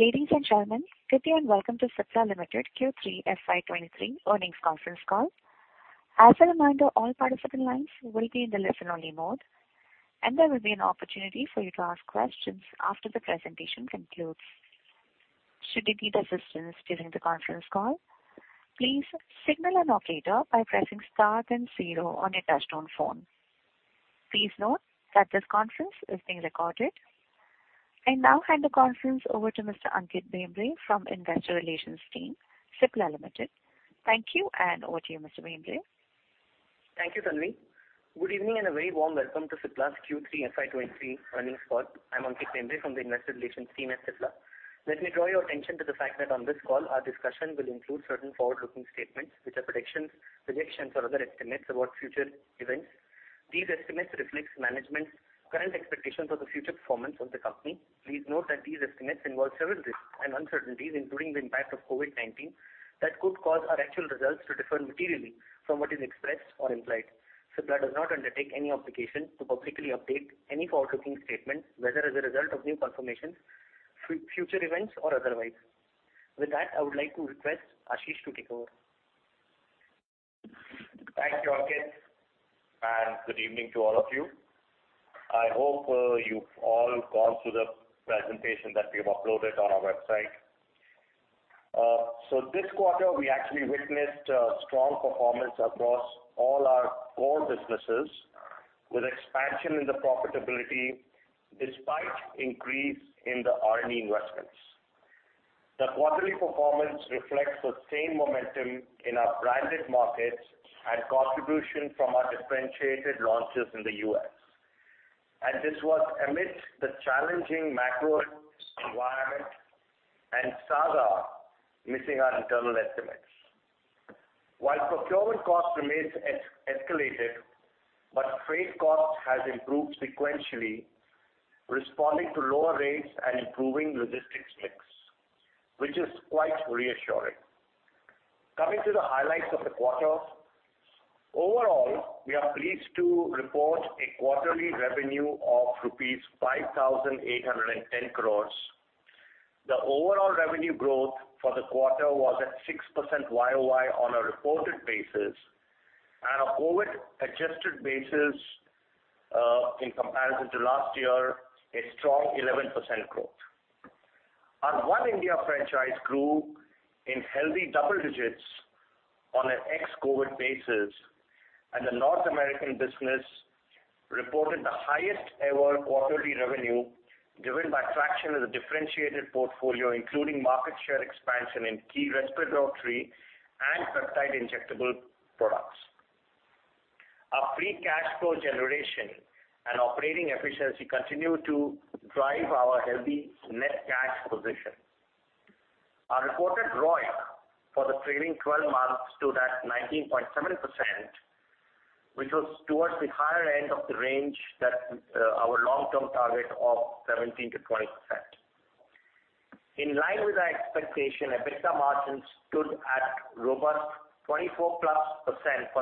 Ladies and gentlemen, good day and welcome to Cipla Limited Q3 FY 23 earnings conference call. As a reminder, all participant lines will be in the listen-only mode, and there will be an opportunity for you to ask questions after the presentation concludes. Should you need assistance during the conference call, please signal an operator by pressing Star then zero on your touchtone phone. Please note that this conference is being recorded. I now hand the conference over to Mr. Ankit Bhembre from investor relations team, Cipla Limited. Thank you, and over to you, Mr. Bhembre. Thank you, Tanvi. Good evening and a very warm welcome to Cipla's Q3 FY23 earnings call. I'm Ankit Bhembre from the Investor Relations team at Cipla. Let me draw your attention to the fact that on this call, our discussion will include certain forward-looking statements, which are predictions, projections, or other estimates about future events. These estimates reflect management's current expectations of the future performance of the company. Please note that these estimates involve several risks and uncertainties, including the impact of COVID-19, that could cause our actual results to differ materially from what is expressed or implied. Cipla does not undertake any obligation to publicly update any forward-looking statement, whether as a result of new confirmations, future events, or otherwise. With that, I would like to request Ashish to take over. Thanks, Ankit, and good evening to all of you. I hope you've all gone through the presentation that we've uploaded on our website. This quarter we actually witnessed strong performance across all our core businesses with expansion in the profitability despite increase in the R&D investments. The quarterly performance reflects the same momentum in our branded markets and contribution from our differentiated launches in the US. This was amidst the challenging macro environment and SAGA missing our internal estimates. While procurement cost remains escalated, freight cost has improved sequentially, responding to lower rates and improving logistics mix, which is quite reassuring. Coming to the highlights of the quarter. Overall, we are pleased to report a quarterly revenue of rupees 5,810 crores. The overall revenue growth for the quarter was at 6% YOY on a reported basis and a COVID-adjusted basis, in comparison to last year, a strong 11% growth. Our One India franchise grew in healthy double digits on an ex-COVID basis, and the North American business reported the highest ever quarterly revenue, driven by traction of the differentiated portfolio, including market share expansion in key respiratory and peptide injectable products. Our free cash flow generation and operating efficiency continue to drive our healthy net cash position. Our reported ROIC for the trailing 12 months stood at 19.7%, which was towards the higher end of the range that our long-term target of 17%-20%. In line with our expectation, EBITDA margins stood at robust 24+% for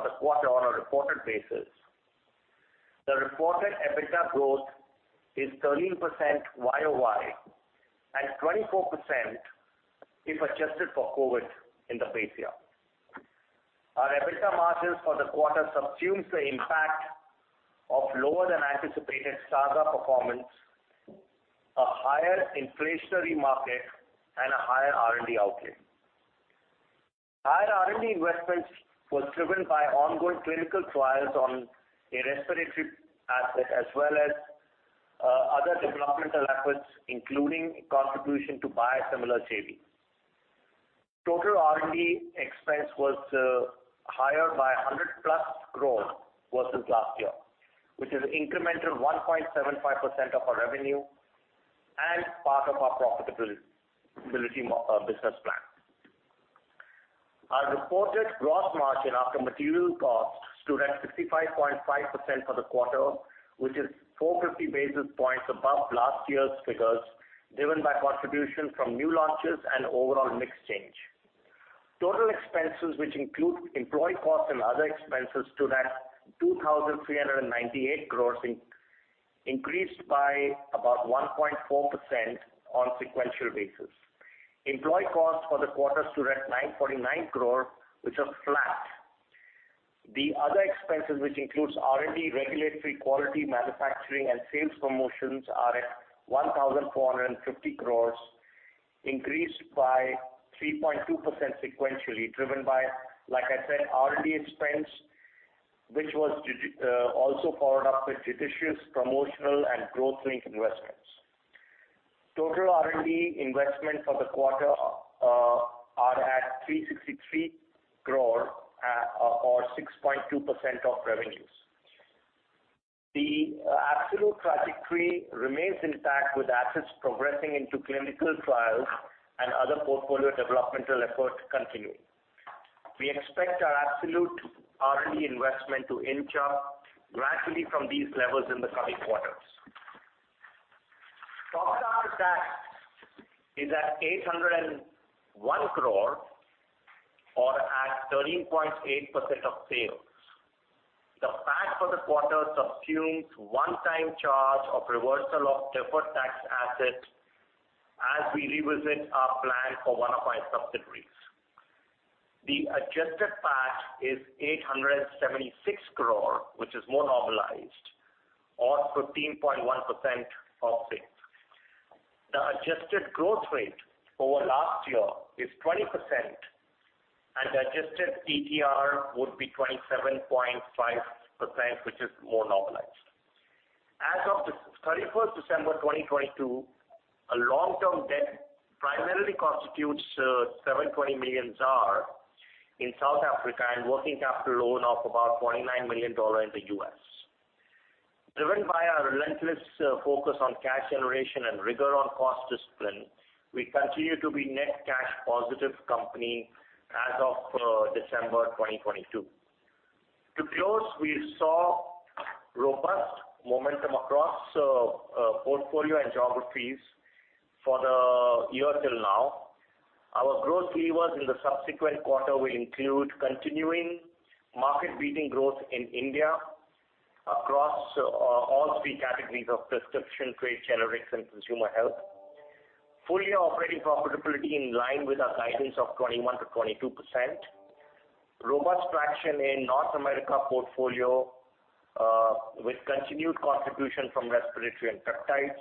the quarter on a reported basis. The reported EBITDA growth is 13% YOY and 24% if adjusted for COVID in the base year. Our EBITDA margins for the quarter subsumes the impact of lower than anticipated SAGA performance, a higher inflationary market and a higher R&D outlay. Higher R&D investments was driven by ongoing clinical trials on a respiratory asset as well as other developmental efforts, including a contribution to biosimilar JV. Total R&D expense was higher by 100+ crore versus last year, which is incremental 1.75% of our revenue and part of our profitability business plan. Our reported gross margin after material costs stood at 65.5% for the quarter, which is 450 basis points above last year's figures, driven by contribution from new launches and overall mix change. Total expenses, which include employee costs and other expenses, stood at 2,398 crore, increased by about 1.4% on sequential basis. Employee costs for the quarter stood at 949 crore, which was flat. The other expenses, which includes R&D, regulatory, quality, manufacturing, and sales promotions, are at 1,450 crore, increased by 3.2% sequentially, driven by, like I said, R&D expense, also followed up with judicious promotional and growth-linked investments. Total R&D investment for the quarter are at 363 crore, or 6.2% of revenues. The absolute trajectory remains intact with assets progressing into clinical trials and other portfolio developmental efforts continue. We expect our absolute R&D investment to inch up gradually from these levels in the coming quarters. Tax is at 801 crore or at 13.8% of sales. For the quarter subsumes one time charge of reversal of deferred tax asset as we revisit our plan for one of our subsidiaries. The adjusted PAT is 876 crore, which is more normalized or 13.1% of sales. The adjusted growth rate over last year is 20% and adjusted CTR would be 27.5%, which is more normalized. As of the 31st December 2022, our long-term debt primarily constitutes 720 million ZAR in South Africa and working capital loan of about $29 million in the US. Driven by our relentless focus on cash generation and rigor on cost discipline, we continue to be net cash positive company as of December 2022. To close, we saw robust momentum across portfolio and geographies for the year till now. Our growth levers in the subsequent quarter will include continuing market-leading growth in India across all three categories of prescription, trade generics and consumer health. Full year operating profitability in line with our guidance of 21%-22%. Robust traction in North America portfolio with continued contribution from respiratory and peptides.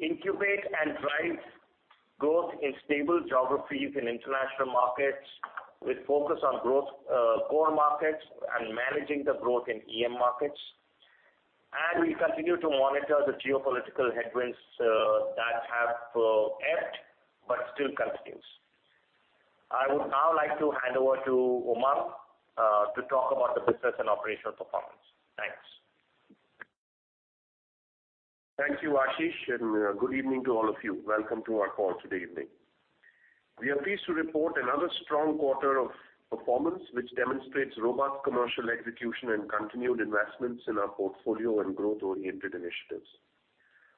Incubate and drive growth in stable geographies in international markets with focus on growth, core markets and managing the growth in EM markets. We continue to monitor the geopolitical headwinds that have ebbed but still continues. I would now like to hand over to Umang to talk about the business and operational performance. Thanks. Thank you, Ashish, and good evening to all of you. Welcome to our call today evening. We are pleased to report another strong quarter of performance which demonstrates robust commercial execution and continued investments in our portfolio and growth-oriented initiatives.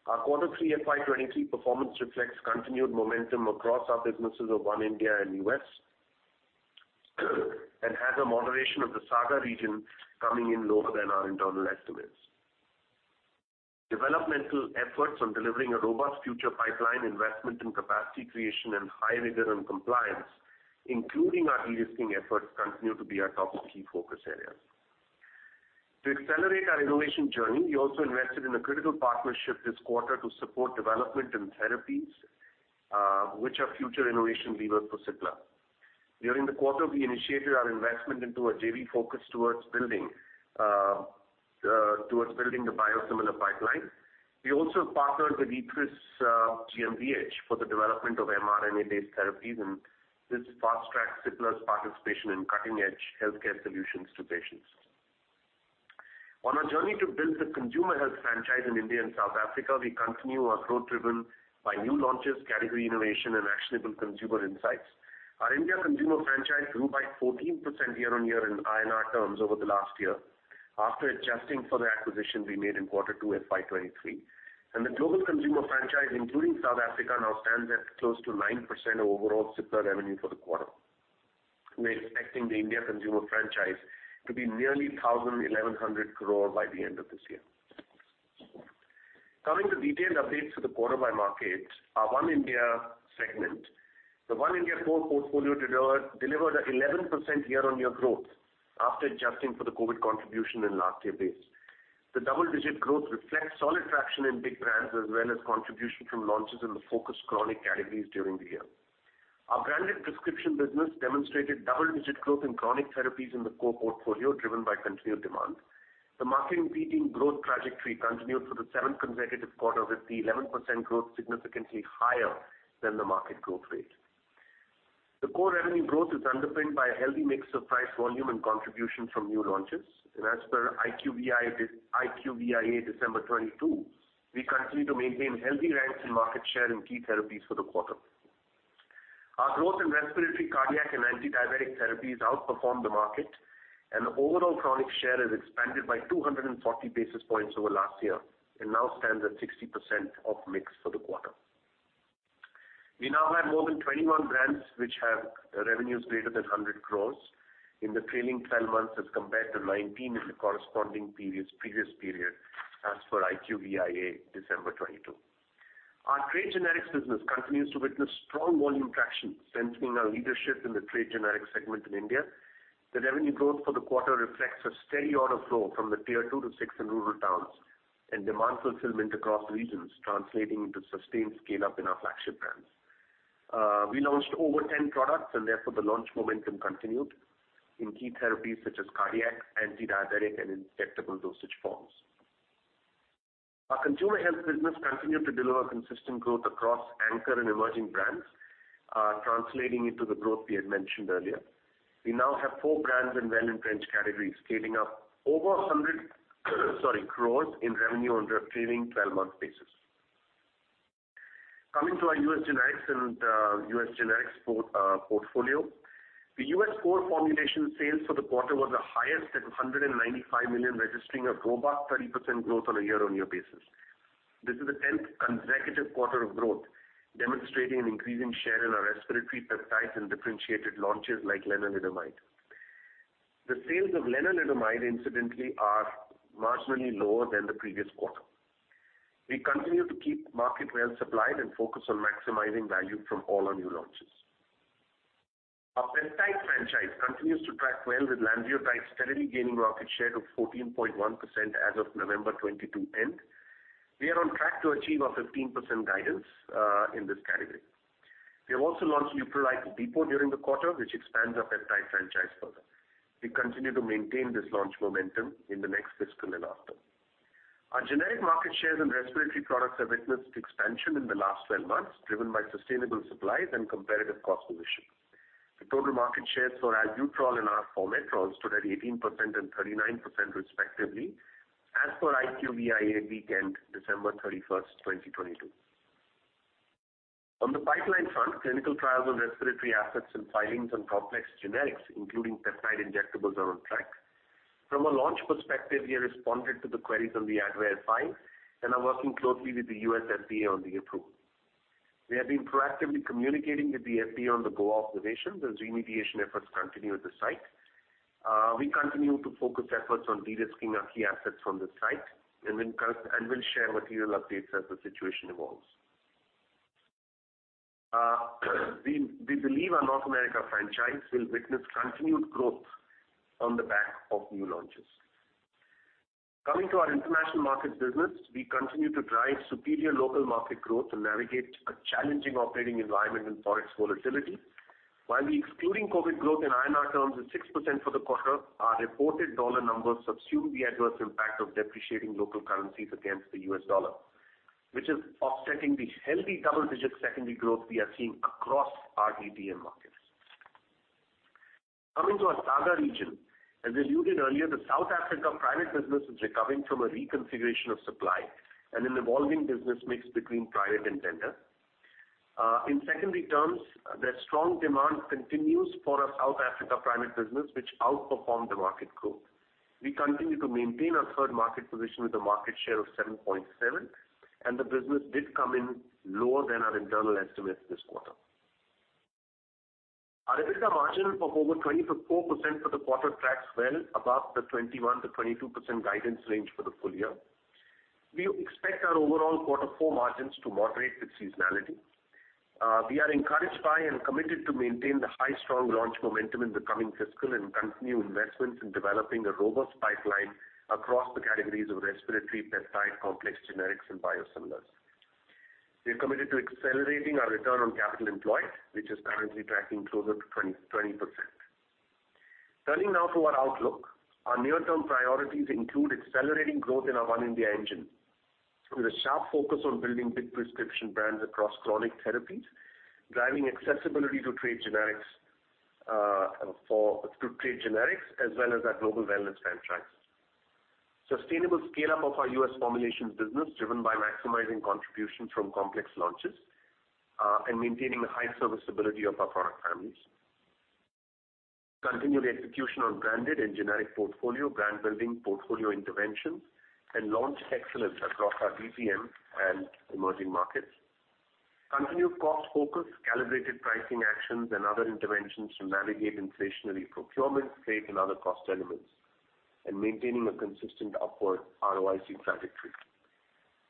Our Q3 FY23 performance reflects continued momentum across our businesses of One India and US, and has a moderation of the SAGA region coming in lower than our internal estimates. Developmental efforts on delivering a robust future pipeline, investment in capacity creation and high rigor and compliance, including our de-risking efforts, continue to be our top key focus areas. To accelerate our innovation journey, we also invested in a critical partnership this quarter to support development in therapies, which are future innovation levers for Cipla. During the quarter, we initiated our investment into a JV focus towards building the biosimilar pipeline. We also partnered with Ethris GmbH for the development of mRNA-based therapies. This fast-tracks Cipla's participation in cutting-edge healthcare solutions to patients. On our journey to build the consumer health franchise in India and South Africa, we continue our growth driven by new launches, category innovation and actionable consumer insights. Our India consumer franchise grew by 14% year-on-year in INR terms over the last year after adjusting for the acquisition we made in Q2 FY23. The global consumer franchise, including South Africa, now stands at close to 9% of overall Cipla revenue for the quarter. We're expecting the India consumer franchise to be nearly 1,100 crore by the end of this year. Coming to detailed updates for the quarter by market, our One India segment. The One India core portfolio delivered 11% year-on-year growth after adjusting for the COVID contribution in last year base. The double-digit growth reflects solid traction in big brands as well as contribution from launches in the focused chronic categories during the year. Our branded prescription business demonstrated double-digit growth in chronic therapies in the core portfolio, driven by continued demand. The market-leading growth trajectory continued for the seventh consecutive quarter, with the 11% growth significantly higher than the market growth rate. The core revenue growth is underpinned by a healthy mix of price volume and contribution from new launches. As per IQVIA December 2022, we continue to maintain healthy ranks in market share in key therapies for the quarter. Our growth in respiratory, cardiac and antidiabetic therapies outperformed the market and the overall chronic share has expanded by 240 basis points over last year and now stands at 60% of mix for the quarter. We now have more than 21 brands which have revenues greater than 100 crores in the trailing 12 months as compared to 19 in the corresponding periods, previous period as per IQVIA December 2022. Our trade generics business continues to witness strong volume traction, strengthening our leadership in the trade generics segment in India. The revenue growth for the quarter reflects a steady order flow from the tier 2-6 and rural towns and demand fulfillment across regions, translating into sustained scale-up in our flagship brands. We launched over 10 products and therefore the launch momentum continued in key therapies such as cardiac, antidiabetic and injectable dosage forms. Our consumer health business continued to deliver consistent growth across anchor and emerging brands, translating into the growth we had mentioned earlier. We now have four brands in well-entrenched categories, scaling up over 100 crores in revenue on a trailing twelve-month basis. Coming to our US generics and US generics portfolio. The US core formulation sales for the quarter were the highest at $195 million, registering a robust 30% growth on a year-on-year basis. This is the tenth consecutive quarter of growth, demonstrating an increasing share in our respiratory peptides and differentiated launches like lenalidomide. The sales of lenalidomide incidentally are marginally lower than the previous quarter. We continue to keep market well supplied and focused on maximizing value from all our new launches. Our peptide franchise continues to track well, with Lanreotide steadily gaining market share of 14.1% as of November 2022 end. We are on track to achieve our 15% guidance in this category. We have also launched Leuprolide Depot during the quarter, which expands our peptide franchise further. We continue to maintain this launch momentum in the next fiscal and after. Our generic market shares and respiratory products have witnessed expansion in the last 12 months, driven by sustainable supplies and competitive cost position. The total market shares for Albuterol and Arformoterol stood at 18% and 39% respectively as per IQVIA week end, December 31, 2022. On the pipeline front, clinical trials on respiratory assets and filings on complex generics, including peptide injectables, are on track. From a launch perspective, we have responded to the queries on the Advair file and are working closely with the US FDA on the approval. We have been proactively communicating with the FDA on the go observations as remediation efforts continue at the site. We continue to focus efforts on de-risking our key assets from the site and we'll share material updates as the situation evolves. We believe our North America franchise will witness continued growth on the back of new launches. Coming to our international market business, we continue to drive superior local market growth and navigate a challenging operating environment and ForEx volatility. While the excluding COVID growth in INR terms is 6% for the quarter, our reported USD numbers subsume the adverse impact of depreciating local currencies against the US dollar, which is offsetting the healthy double-digit secondary growth we are seeing across our DPM markets. Coming to our SAGA region, as alluded earlier, the South Africa private business is recovering from a reconfiguration of supply and an evolving business mix between private and tender. In secondary terms, the strong demand continues for our South Africa private business, which outperformed the market growth. We continue to maintain our third market position with a market share of 7.7, and the business did come in lower than our internal estimates this quarter. Our EBITDA margin of over 24% for the quarter tracks well above the 21%-22% guidance range for the full year. We expect our overall quarter four margins to moderate with seasonality. We are encouraged by and committed to maintain the high strong launch momentum in the coming fiscal and continue investments in developing a robust pipeline across the categories of respiratory peptide, complex generics and biosimilars. We are committed to accelerating our return on capital employed, which is currently tracking closer to 20%. Turning now to our outlook. Our near-term priorities include accelerating growth in our One India engine with a sharp focus on building big prescription brands across chronic therapies, driving accessibility to trade generics as well as our global valence franchise. Sustainable scale-up of our U.S. formulations business, driven by maximizing contribution from complex launches, and maintaining the high serviceability of our product families. Continued execution on branded and generic portfolio, brand building portfolio interventions and launch excellence across our DPM and emerging markets. Continued cost focus, calibrated pricing actions and other interventions to navigate inflationary procurement, trade and other cost elements, and maintaining a consistent upward ROIC trajectory.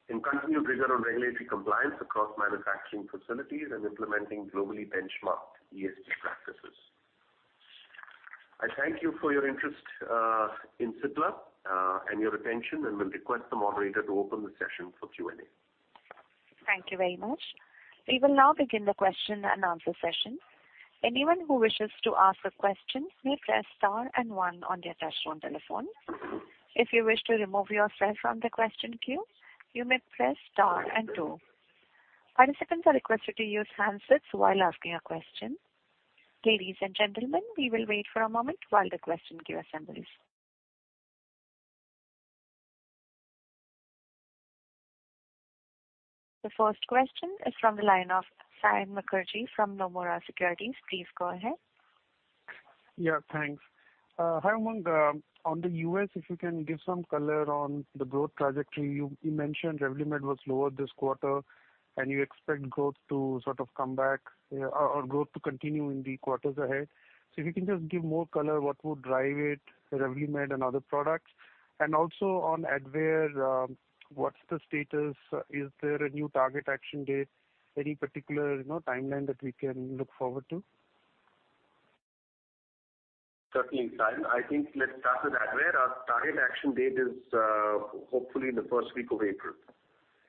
Continued rigor on regulatory compliance across manufacturing facilities and implementing globally benchmarked ESG practices. I thank you for your interest in Cipla and your attention, and will request the moderator to open the session for Q&A. Thank you very much. We will now begin the question and answer session. Anyone who wishes to ask a question may press star and one on their touchtone telephone. If you wish to remove yourself from the question queue, you may press star and two. Participants are requested to use handsets while asking a question. Ladies and gentlemen, we will wait for a moment while the question queue assembles. The first question is from the line of Saion Mukherjee from Nomura Securities. Please go ahead. Yeah, thanks. Hi, Umang. On the US, if you can give some color on the growth trajectory. You mentioned Revlimid was lower this quarter and you expect growth to sort of come back or growth to continue in the quarters ahead. If you can just give more color, what would drive it, Revlimid and other products? Also on Advair, what's the status? Is there a new target action date? Any particular, you know, timeline that we can look forward to? Certainly, Saion. I think let's start with Advair. Our target action date is hopefully the first week of April.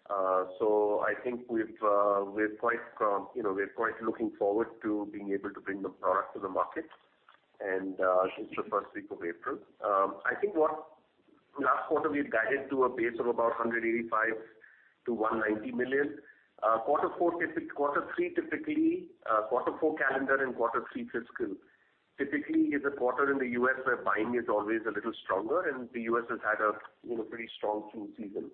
I think we've, you know, we're quite looking forward to being able to bring the product to the market. It's the first week of April. I think what last quarter we had guided to a base of about $185 million-$190 million. Quarter four typically, quarter four calendar and quarter three fiscal typically is a quarter in the U.S. where buying is always a little stronger and the U.S. has had a, you know, pretty strong flu season.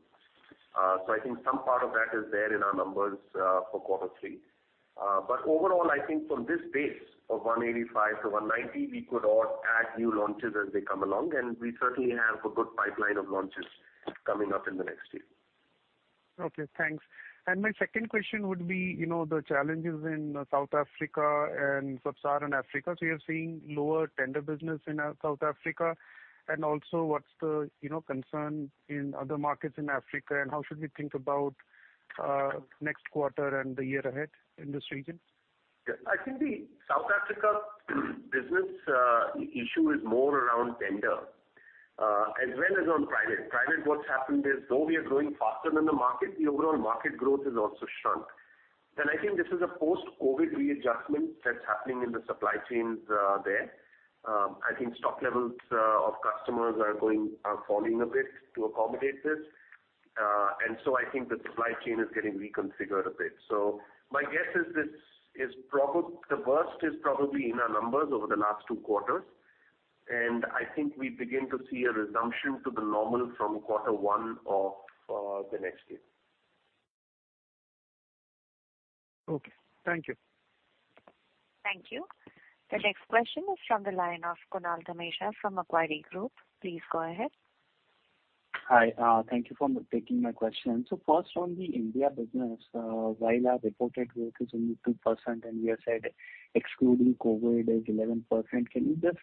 I think some part of that is there in our numbers, for Q3. Overall, I think from this base of 185 to 190, we could all add new launches as they come along, and we certainly have a good pipeline of launches coming up in the next year. Okay, thanks. My second question would be, you know, the challenges in South Africa and Sub-Saharan Africa. You're seeing lower tender business in South Africa, and also what's the, you know, concern in other markets in Africa, and how should we think about next quarter and the year ahead in this region? Yeah. I think the South Africa business issue is more around tender as well as on private. Private, what's happened is, though we are growing faster than the market, the overall market growth has also shrunk. I think this is a post-COVID readjustment that's happening in the supply chains there. I think stock levels of customers are falling a bit to accommodate this. I think the supply chain is getting reconfigured a bit. My guess is this is the worst is probably in our numbers over the last 2 quarters, and I think we begin to see a resumption to the normal from quarter 1 of the next year. Okay. Thank you. Thank you. The next question is from the line of Kunal Dhamesha from Aquarii Group. Please go ahead. Hi. Thank you for taking my question. First on the India business, while our reported growth is only 2%, and you have said excluding COVID is 11%, can you just,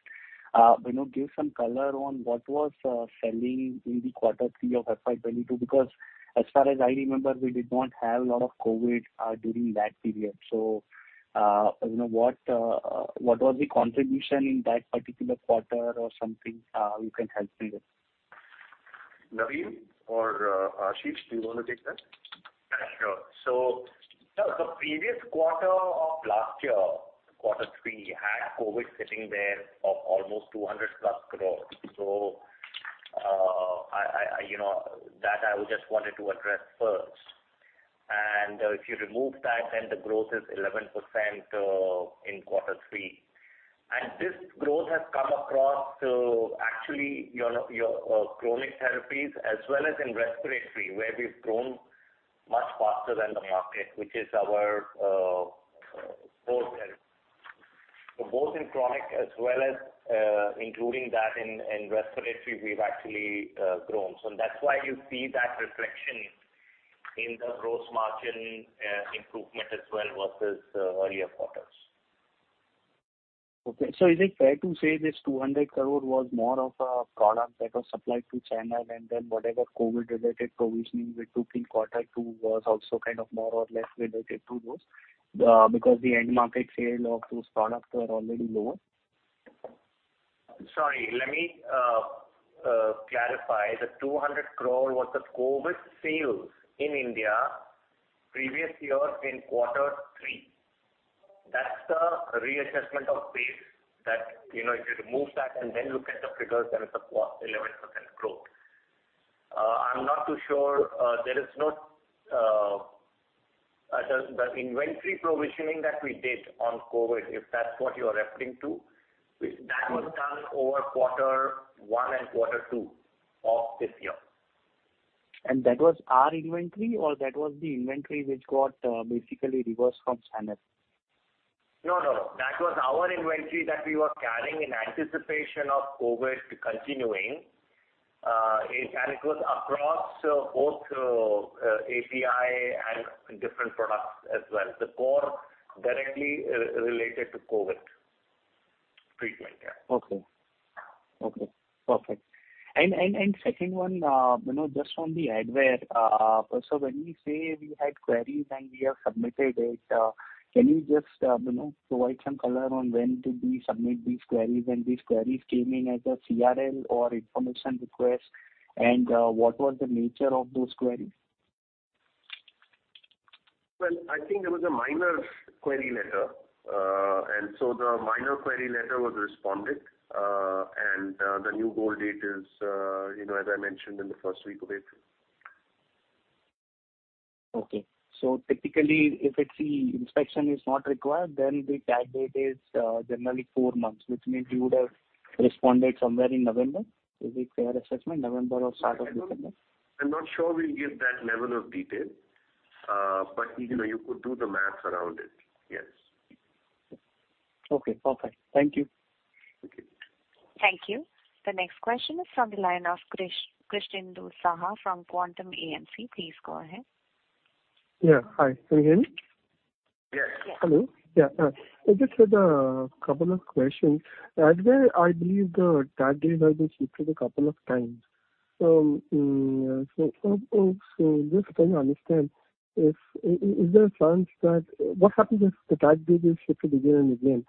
you know, give some color on what was selling in the Q3 of FY22? Because as far as I remember, we did not have a lot of COVID during that period. You know, what was the contribution in that particular quarter or something you can help me with? Navin or, Ashish, do you wanna take that? Sure. The previous quarter of last year, quarter three, had COVID sitting there of almost 200+ crores. You know, that I just wanted to address first. If you remove that, then the growth is 11% in quarter three. This growth has come across to actually your chronic therapies as well as in respiratory, where we've grown much faster than the market, which is our core health. Both in chronic as well as, including that in respiratory, we've actually grown. That's why you see that reflection in the gross margin improvement as well versus the earlier quarters. Okay. Is it fair to say this 200 crore was more of a product that was supplied to China and then whatever COVID-related provisioning we took in quarter two was also kind of more or less related to those because the end market sale of those products were already low? Sorry. Let me clarify. The 200 crore was the COVID sales in India previous year in quarter three. That's the reassessment of base that, you know, if you remove that and then look at the figures, then it's a 11% growth. I'm not too sure. There is no the inventory provisioning that we did on COVID, if that's what you are referring to, that was done over quarter one and quarter two of this year. That was our inventory or that was the inventory which got, basically reversed from Sandoz? No, no. That was our inventory that we were carrying in anticipation of COVID continuing. It was across both, API and different products as well. The core directly related to COVID treatment. Yeah. Okay. Okay. Perfect. Second one, you know, just on the Advair, when you say we had queries and we have submitted it, can you just, you know, provide some color on when did we submit these queries and these queries came in as a CRL or information request? What was the nature of those queries? Well, I think it was a minor query letter. The minor query letter was responded. The new goal date is, you know, as I mentioned in the first week of April. Okay. Typically, if it's the inspection is not required, then the tag date is generally four months, which means you would have responded somewhere in November. Is it fair assessment, November or start of December? I'm not sure we'll give that level of detail, but, you know, you could do the math around it. Yes. Okay, perfect. Thank you. Okay. Thank you. The next question is from the line of Krishnendu Saha from Quantum AMC. Please go ahead. Yeah. Hi. Can you hear me? Yes. Yes. Hello. Yeah. I just had a couple of questions. Advair, I believe the tag date has been shifted a couple of times. Just trying to understand if, is there a chance that? What happens if the tag date is shifted again and again?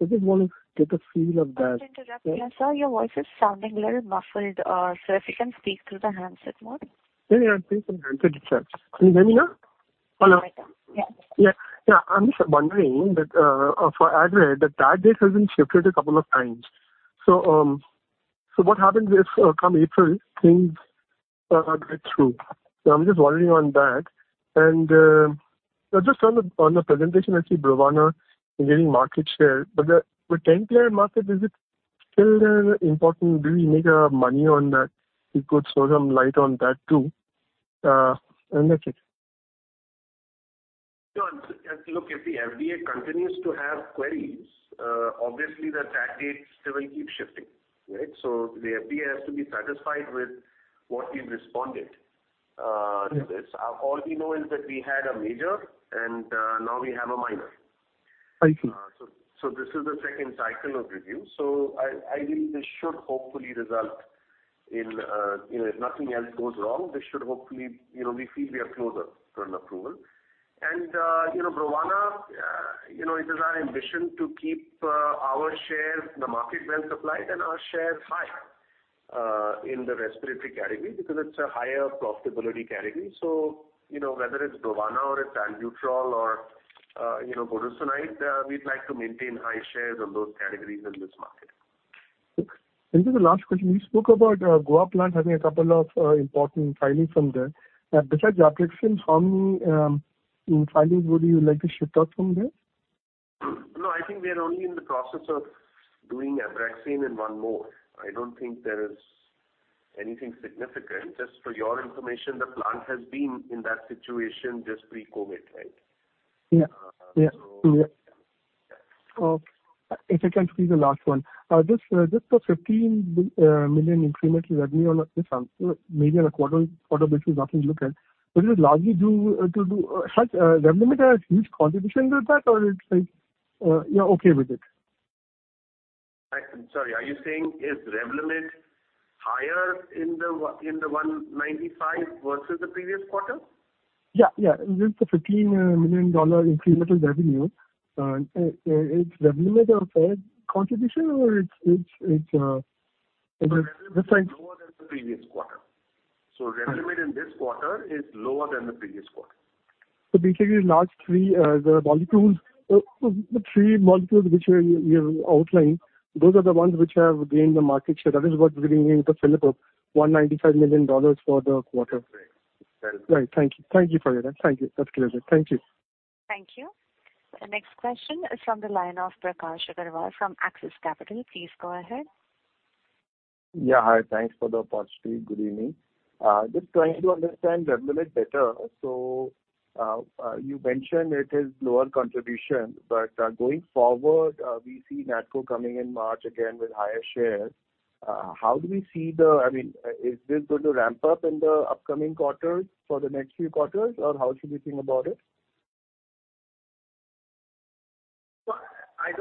I just want to get a feel of that. Sorry to interrupt you. Sir, your voice is sounding a little muffled. Sir, if you can speak through the handset mode. Yeah, yeah. I'm speaking handset itself. Can you hear me now? Hello? Better. Yes. Yeah. I'm just wondering that for Advair, the tag date has been shifted a couple of times. So what happens if come April things are not went through? I'm just worrying on that. Just on the presentation, I see Brovana gaining market share, but the 10 player market, is it. Still, important. Do we make money on that? If you could throw some light on that too. That's it. No, look, if the FDA continues to have queries, obviously the tag dates still will keep shifting, right? The FDA has to be satisfied with what we've responded to this. Yes. All we know is that we had a major and, now we have a minor. Thank you. This is the second cycle of review. I believe this should hopefully result in, you know, if nothing else goes wrong, this should hopefully. You know, we feel we are closer to an approval. You know, Brovana, you know, it is our ambition to keep our shares in the market well supplied and our shares high in the respiratory category because it's a higher profitability category. You know, whether it's Brovana or it's Albuterol or, you know, Budesonide, we'd like to maintain high shares on those categories in this market. Okay. Just the last question. You spoke about Goa plant having a couple of important filings from there. Besides Abraxane, how many filings would you like to ship out from there? No, I think we are only in the process of doing Abraxane and one more. I don't think there is anything significant. Just for your information, the plant has been in that situation just pre-COVID, right? Yeah. Yeah. Uh, so... Yeah. If I can squeeze the last one. This plus $15 million incremental revenue on a, this, you know, maybe on a quarter-over-quarter basis, nothing to look at. Is it largely due to has Revlimid had a huge contribution with that or it's like you're okay with it? I'm sorry. Are you saying is Revlimid higher in the in the 195 versus the previous quarter? Yeah. Yeah. With the $15 million incremental revenue, is Revlimid a fair contribution or it's? Revlimid is lower than the previous quarter. Okay. Revlimid in this quarter is lower than the previous quarter. Basically the last three, the molecules, the three molecules which you've outlined, those are the ones which have gained the market share. That is what bringing the fillip of $195 million for the quarter. Right. That is it. Right. Thank you. Thank you for that. Thank you. That's clear. Thank you. Thank you. The next question is from the line of Prakash Agarwal from Axis Capital. Please go ahead. Yeah. Hi. Thanks for the opportunity. Good evening. Just trying to understand Revlimid better. You mentioned it is lower contribution, going forward, we see Natco coming in March again with higher shares. How do we see I mean, is this going to ramp up in the upcoming quarters for the next few quarters, or how should we think about it? Well, I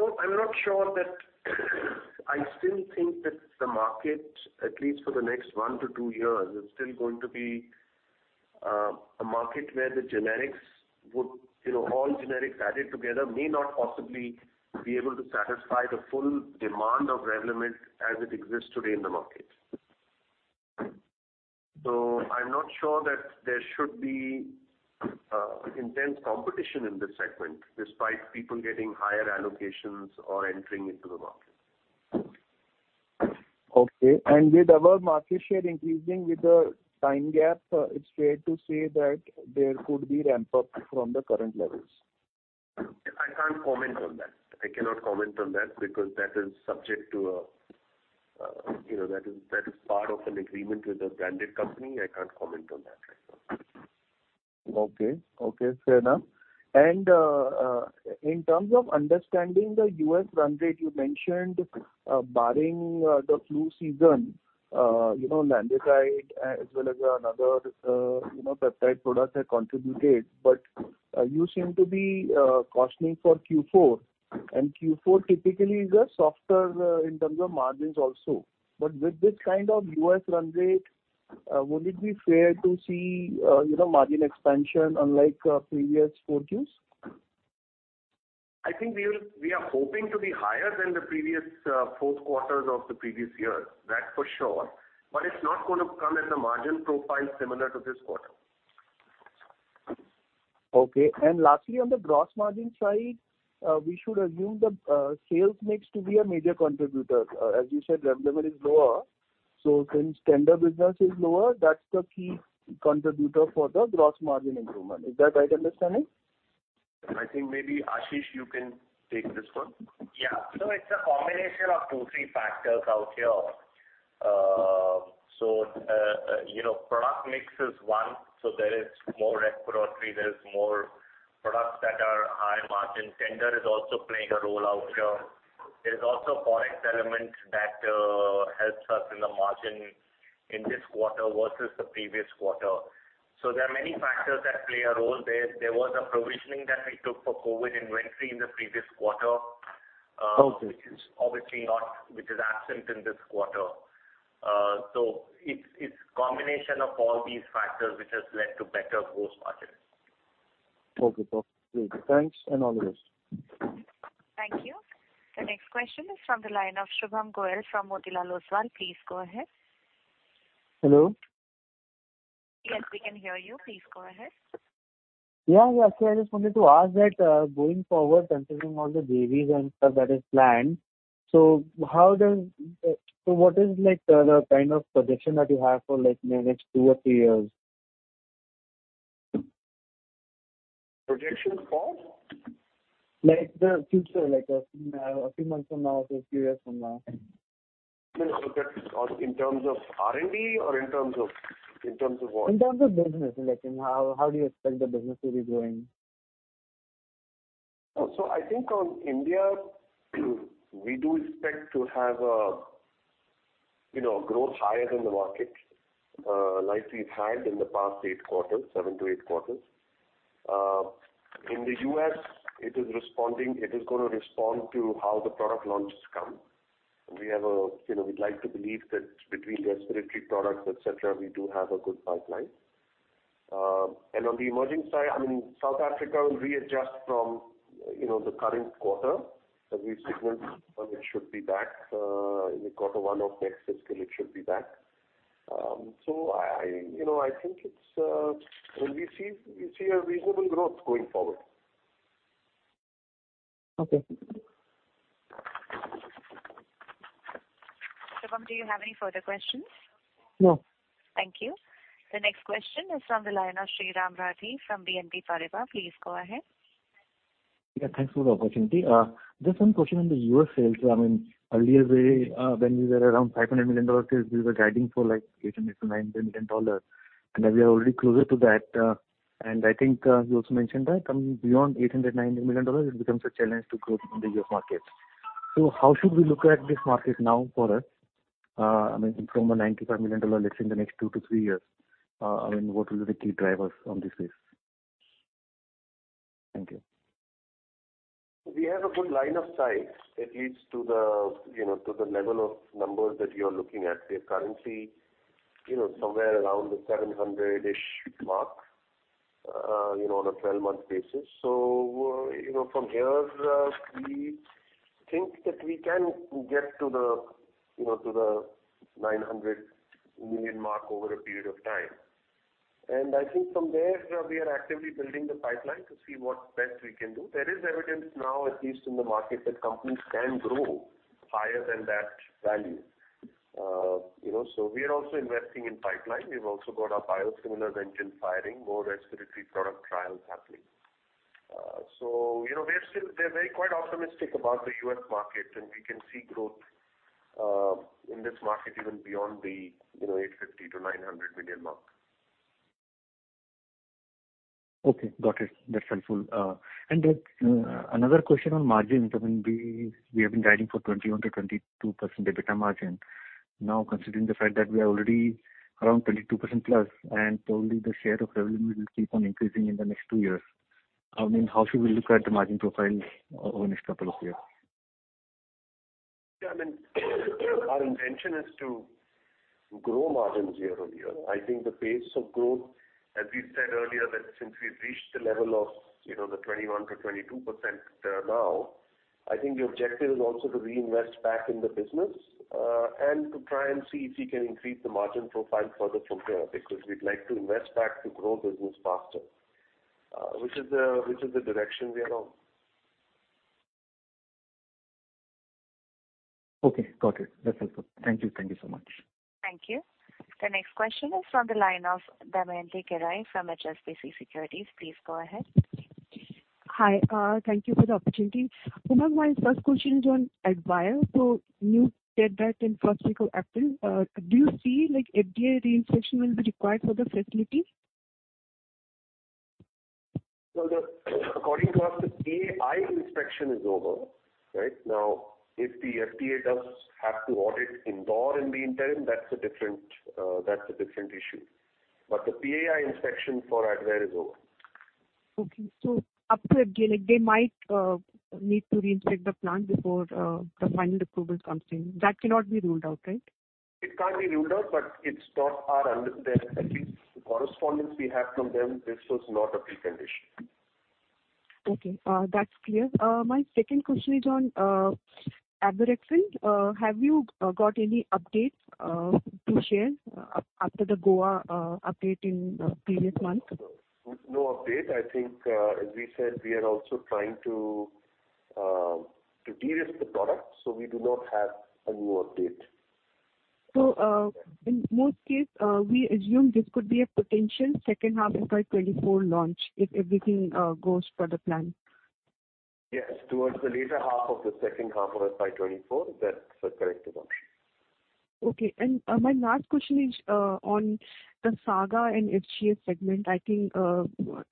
still think that the market, at least for the next one to two years, is still going to be a market where the generics would, you know, all generics added together may not possibly be able to satisfy the full demand of Revlimid as it exists today in the market. I'm not sure that there should be intense competition in this segment despite people getting higher allocations or entering into the market. Okay. With our market share increasing with the time gap, it's fair to say that there could be ramp up from the current levels. I can't comment on that. I cannot comment on that because that is subject to a, you know, that is part of an agreement with a branded company. I can't comment on that right now. Okay. Okay. Fair enough. In terms of understanding the U.S. run rate, you mentioned, barring the flu season, you know, Lanreotide as well as another, you know, peptide product had contributed. You seem to be cautious for Q4, and Q4 typically is a softer in terms of margins also. With this kind of U.S. run rate, would it be fair to see, you know, margin expansion unlike previous four Qs? I think we are hoping to be higher than the previous fourth quarters of the previous years, that's for sure. It's not gonna come as a margin profile similar to this quarter. Okay. Lastly, on the gross margin side, we should assume the sales mix to be a major contributor. As you said, Revlimid is lower. Since tender business is lower, that's the key contributor for the gross margin improvement. Is that right understanding? I think maybe, Ashish, you can take this one. Yeah. It's a combination of 2, 3 factors out here. You know, product mix is one, so there is more respiratory, there's more products that are high margin. Tender is also playing a role out here. There is also ForEx element that helps us in the margin in this quarter versus the previous quarter. There are many factors that play a role there. There was a provisioning that we took for COVID inventory in the previous quarter- Okay. which is absent in this quarter. It's combination of all these factors which has led to better gross margins. Okay. Perfect. Great. Thanks and all the best. Thank you. The next question is from the line of Shubham Goyal from Motilal Oswal. Please go ahead. Hello. Yes, we can hear you. Please go ahead. Yeah. I just wanted to ask that, going forward, considering all the deals and stuff that is planned, what is like the kind of projection that you have for like the next two or three years? Projections for? Like the future, like a few months from now to a few years from now. In terms of R&D or in terms of, in terms of what? In terms of business, like in how do you expect the business to be growing? I think on India, we do expect to have a, you know, growth higher than the market, like we've had in the past 8 quarters, 7-8 quarters. In the US it is gonna respond to how the product launches come. We have a, you know, we'd like to believe that between respiratory products, et cetera, we do have a good pipeline. On the emerging side, I mean, South Africa will readjust from, you know, the current quarter as we sequence, it should be back, in the quarter 1 of next fiscal, it should be back. I, you know, I think it's, we'll see a reasonable growth going forward. Okay. Shubham, do you have any further questions? No. Thank you. The next question is from the line of Shyam Srinivasan from BNP Paribas. Please go ahead. Yeah, thanks for the opportunity. Just one question on the U.S. sales. I mean, earlier we, when we were around $500 million, we were guiding for like $800 million-$900 million, and now we are already closer to that. I think, you also mentioned that coming beyond $800 million-$900 million, it becomes a challenge to grow in the U.S. market. How should we look at this market now for us, I mean, from a $95 million, let's say in the next 2-3 years, I mean, what will be the key drivers on this space? Thank you. We have a good line of sight that leads to the, you know, to the level of numbers that you're looking at. We're currently, you know, somewhere around the 700-ish mark, you know, on a 12-month basis. You know, from here, we think that we can get to the, you know, to the 900 million mark over a period of time. I think from there, we are actively building the pipeline to see what best we can do. There is evidence now, at least in the market, that companies can grow higher than that value. You know, we are also investing in pipeline. We've also got our biosimilars engine firing, more respiratory product trials happening. You know, we are still, we're very quite optimistic about the U.S. market, and we can see growth in this market even beyond the, you know, $850 million-$900 million mark. Okay. Got it. That's helpful. Then, another question on margins. I mean, we have been guiding for 21%-22% EBITDA margin. Now, considering the fact that we are already around 22%+ and probably the share of revenue will keep on increasing in the next two years, I mean, how should we look at the margin profile over the next couple of years? Yeah, I mean, our intention is to grow margins year-on-year. I think the pace of growth, as we've said earlier, that since we've reached the level of, you know, the 21%-22%, now, I think the objective is also to reinvest back in the business and to try and see if we can increase the margin profile further from here, because we'd like to invest back to grow business faster, which is the direction we are on. Okay. Got it. That's helpful. Thank you. Thank you so much. Thank you. The next question is from the line of Damayanti Kerai from HSBC Securities. Please go ahead. Hi, thank you for the opportunity. My first question is on Advair. You said that in first week of April, do you see like FDA re-inspection will be required for the facility? The according to us, the PAI inspection is over, right? Now if the FDA does have to audit Indore in the interim, that's a different, that's a different issue. The PAI inspection for Advair is over. Okay. Up to FDA, like they might need to re-inspect the plant before the final approval comes in. That cannot be ruled out, right? It can't be ruled out, but it's not our understanding. At least the correspondence we have from them, this was not a precondition. Okay. That's clear. My second question is on gAbraxane. Have you got any updates to share after the Goa update in previous month? No, no update. I think, as we said, we are also trying to de-risk the product, we do not have a new update. In most case, we assume this could be a potential second half FY24 launch if everything goes per the plan. Yes. Towards the later half of the second half of FY 2024, that's the correct assumption. Okay. My last question is on the SAGA and FGS segment. I think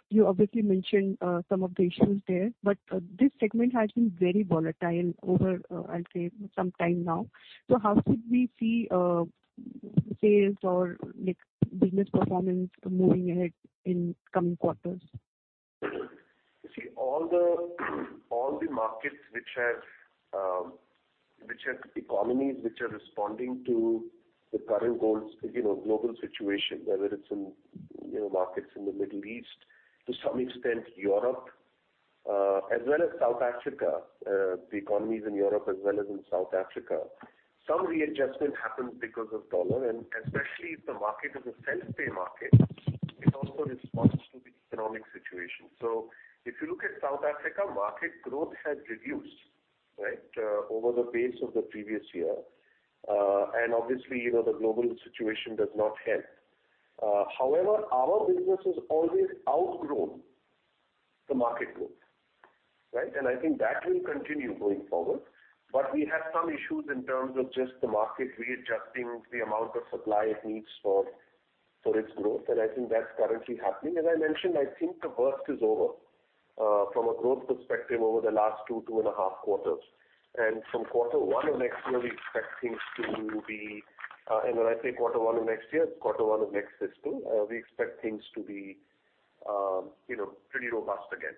you obviously mentioned some of the issues there, but this segment has been very volatile over I'll say some time now. How should we see sales or like business performance moving ahead in coming quarters? You see all the markets which have economies which are responding to the current goals, you know, global situation, whether it's in, you know, markets in the Middle East, to some extent Europe, as well as South Africa, the economies in Europe as well as in South Africa. Some readjustment happens because of the dollar, especially if the market is a self-pay market, it also responds to the economic situation. If you look at South Africa, market growth has reduced, right, over the base of the previous year. Obviously, you know, the global situation does not help. However, our business has always outgrown the market growth, right? I think that will continue going forward. We had some issues in terms of just the market readjusting the amount of supply it needs for its growth, and I think that's currently happening. As I mentioned, I think the worst is over, from a growth perspective over the last two and a half quarters. From quarter one of next year, we expect things to be. When I say quarter one of next year, it's quarter one of next fiscal. We expect things to be, you know, pretty robust again.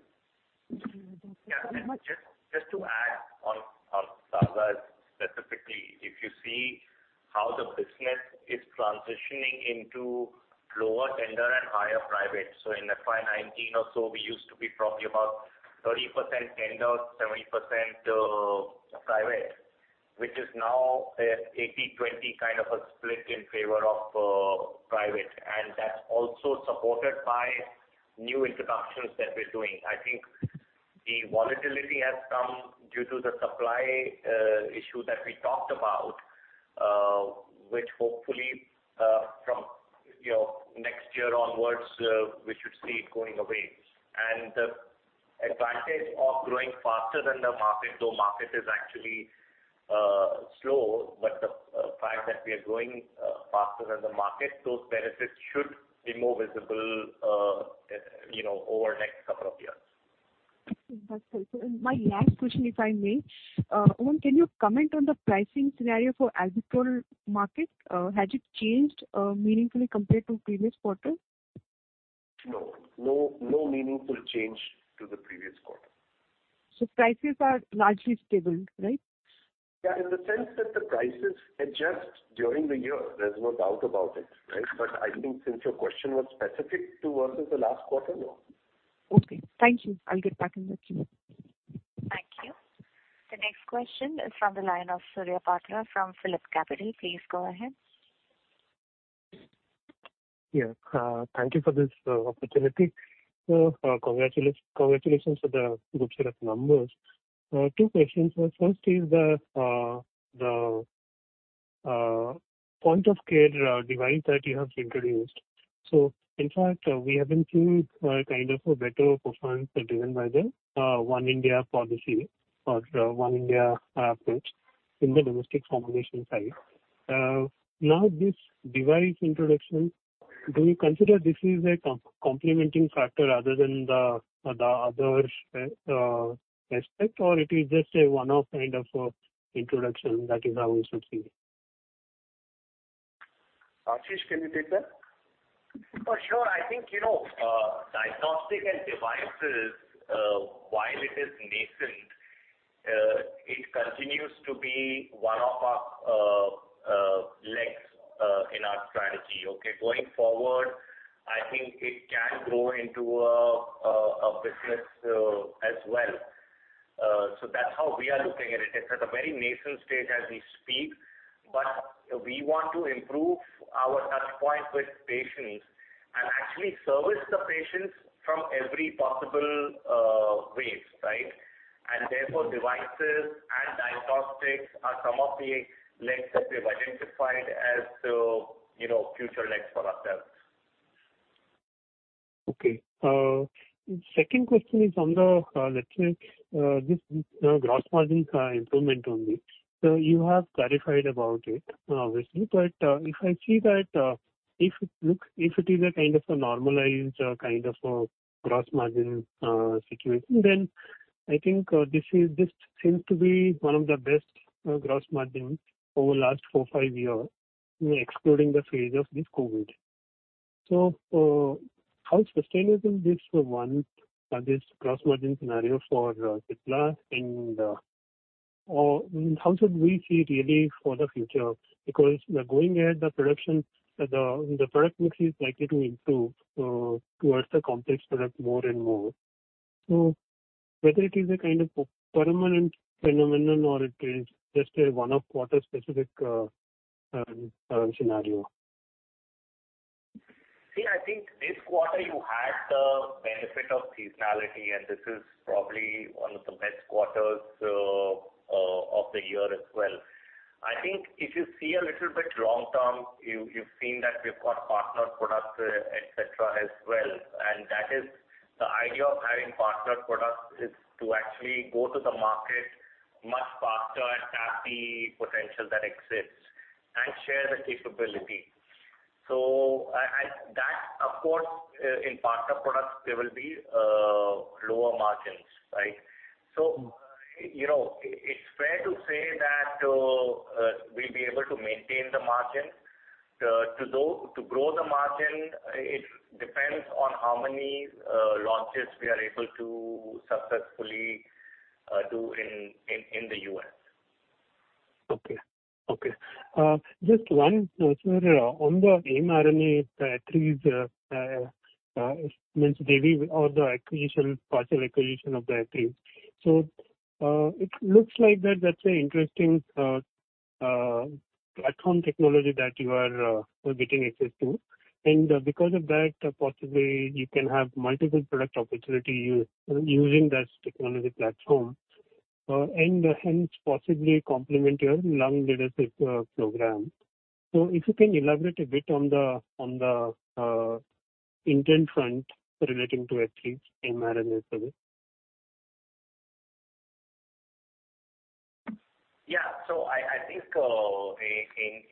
Thank you very much. Yeah. Just to add on SAGA's specifically, if you see how the business is transitioning into lower tender and higher private. In FY19 or so, we used to be probably about 30% tenders, 70%, private, which is now a 80-20 kind of a split in favor of private. That's also supported by new introductions that we're doing. I think the volatility has come due to the supply issue that we talked about, which hopefully, from, you know, next year onwards, we should see it going away. The advantage of growing faster than the market, though market is actually slow, but the fact that we are growing faster than the market, those benefits should be more visible, you know, over next couple of years. That's helpful. My last question, if I may. Umar, can you comment on the pricing scenario for agricultural market? Has it changed meaningfully compared to previous quarter? No. No, no meaningful change to the previous quarter. Prices are largely stable, right? Yeah. In the sense that the prices adjust during the year, there's no doubt about it, right? I think since your question was specific to versus the last quarter, no. Okay. Thank you. I'll get back in the queue. Thank you. The next question is from the line of Surya Patra from PhillipCapital. Please go ahead. Yeah. Thank you for this opportunity. Congratulations for the good set of numbers. 2 questions. First is the point-of-care device that you have introduced. In fact, we have been seeing kind of a better performance driven by the One India policy or One India approach in the domestic formulation side. Now this device introduction, do you consider this is a complementing factor other than the other aspect, or it is just a one-off kind of introduction that is how we should see? Ashish, can you take that? For sure. I think, you know, diagnostic and devices, while it is nascent, it continues to be one of our legs in our strategy. Okay. Going forward, I think it can grow into a business as well. So that's how we are looking at it. It's at a very nascent stage as we speak, but we want to improve our touch point with patients and actually service the patients from every possible ways, right? Therefore devices and diagnostics are some of the legs that we have identified as, you know, future legs for ourselves. Okay. Second question is on the gross margins improvement only. You have clarified about it, obviously. If I see that, if it is a kind of a normalized kind of a gross margin situation, then I think this seems to be one of the best gross margins over last 4, 5 years, excluding the phase of this COVID. How sustainable this gross margin scenario for Cipla and or how should we see really for the future? Going ahead, the production, the product mix is likely to improve towards the complex product more and more. Whether it is a kind of permanent phenomenon or it is just a one-off quarter specific scenario. quarter you had the benefit of seasonality, and this is probably one of the best quarters of the year as well. I think if you see a little bit long term, you've seen that we've got partner products, et cetera, as well. And that is the idea of having partner products is to actually go to the market much faster and tap the potential that exists and share the capability. That of course, in partner products there will be lower margins, right? So, you know, it's fair to say that we'll be able to maintain the margin. To grow the margin, it depends on how many launches we are able to successfully do in the U.S. Okay. Okay. Just one, sir. On the mRNA Ethris, means they will... Or the acquisition, partial acquisition of the Ethris. It looks like that that's an interesting platform technology that you are getting access to. Because of that, possibly you can have multiple product opportunity using that technology platform. Hence possibly complement your lung leadership program. If you can elaborate a bit on the, on the, intent front relating to F-three in mRNA facility. Yeah. I think,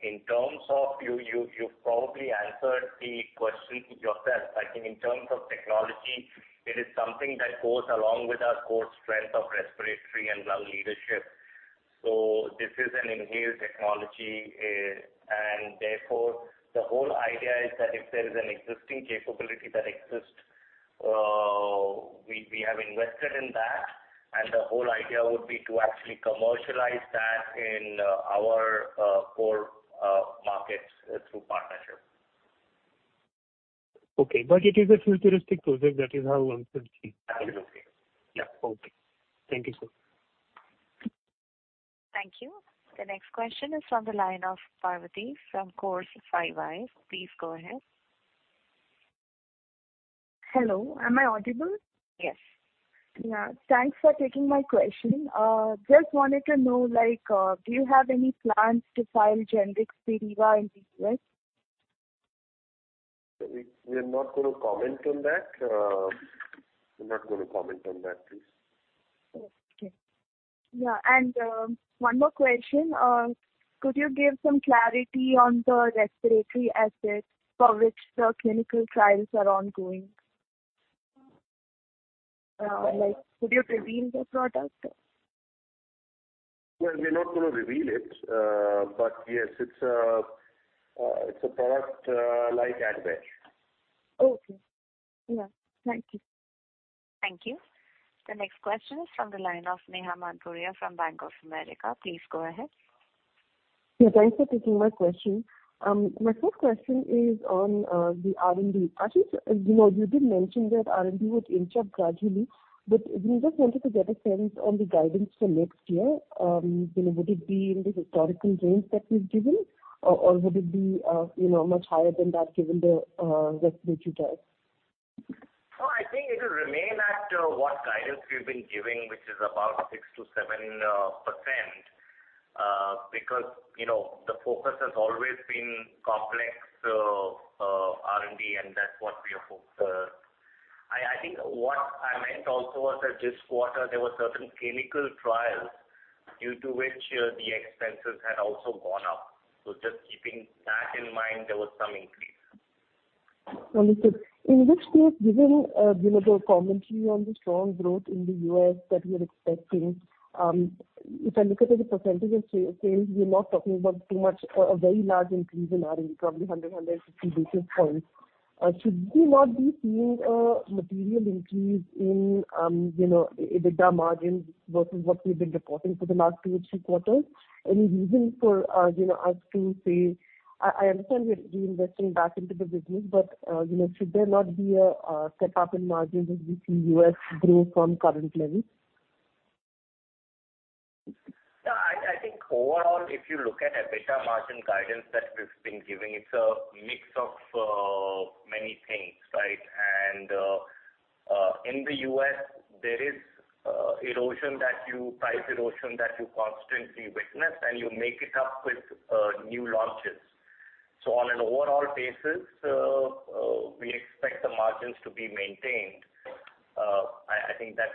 in terms of you've probably answered the question yourself. I think in terms of technology, it is something that goes along with our core strength of respiratory and lung leadership. This is an inhaled technology, and therefore the whole idea is that if there is an existing capability that exists, we have invested in that, and the whole idea would be to actually commercialize that in our core markets through partnerships. Okay. It is a futuristic project. That is how one should see. Absolutely. Yeah. Okay. Thank you, sir. Thank you. The next question is from the line of Parvati from Course Five Eyes. Please go ahead. Hello, am I audible? Yes. Yeah. Thanks for taking my question. just wanted to know, like, do you have any plans to file generic Spiriva in the U.S.? We are not gonna comment on that. I'm not gonna comment on that, please. Okay. Yeah. One more question. Could you give some clarity on the respiratory assets for which the clinical trials are ongoing? Like, could you reveal the product? Well, we're not gonna reveal it. Yes, it's a product like Advair. Okay. Yeah. Thank you. Thank you. The next question is from the line of Neha Manpuria from Bank of America. Please go ahead. Thanks for taking my question. My first question is on the R&D. Actually, you know, you did mention that R&D would inch up gradually. We just wanted to get a sense on the guidance for next year. You know, would it be in the historical range that you've given or would it be, you know, much higher than that given the respiratory trials? No, I think it'll remain at what guidance we've been giving, which is about 6%-7%. Because, you know, the focus has always been complex R&D, and that's what we have. I think what I meant also was that this quarter there were certain clinical trials due to which the expenses had also gone up. Just keeping that in mind, there was some increase. Understood. In which case, given, you know, the commentary on the strong growth in the U.S. that you're expecting, if I look at the percentage of sales, we're not talking about too much, a very large increase in R&D, probably 150 basis points. Should we not be seeing a material increase in, you know, EBITDA margins versus what we've been reporting for the last two or three quarters? Any reason for, you know, us to say? I understand we're reinvesting back into the business, but, you know, should there not be a step-up in margins as we see U.S. grow from current levels? Yeah, I think overall, if you look at EBITDA margin guidance that we've been giving, it's a mix of many things, right? In the U.S., there is price erosion that you constantly witness, and you make it up with new launches. On an overall basis, we expect the margins to be maintained. I think that's